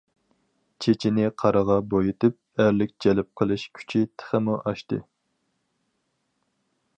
چېچىنى قارىغا بويىتىپ ئەرلىك جەلپ قىلىش كۈچى تېخىمۇ ئاشتى.